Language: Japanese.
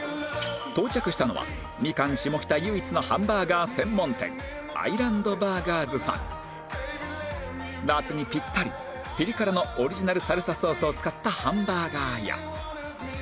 到着したのはミカン下北唯一のハンバーガー専門店夏にピッタリピリ辛のオリジナルサルサソースを使ったハンバーガーや